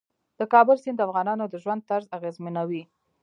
د کابل سیند د افغانانو د ژوند طرز اغېزمنوي.